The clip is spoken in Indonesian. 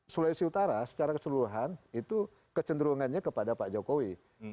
sulawesi utara secara keseluruhan itu kecenderungannya kepada pak jokowi